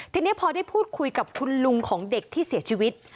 ทีนี้พอได้พูดคุยกับคุณลุงของเด็กที่เสียชีวิต